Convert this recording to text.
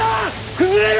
崩れる！